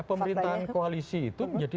pemerintahan koalisi itu menjadi